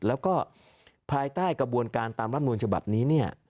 แล้วก็ภายใต้กระบวนการตามรับนูลฉบับนี้เนี่ย